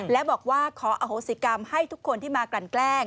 และบอกว่าขออโหสิกรรมให้ทุกคนที่มากลั่นแกล้ง